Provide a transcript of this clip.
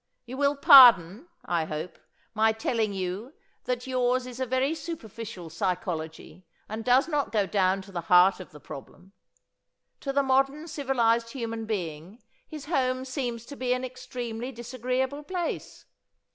You will pardon, I hope, my telling you that yours is a very superficial psychology and does not go down to the heart of the problem. To the modern civilized human being his home seems to be an extremely disagreeable place.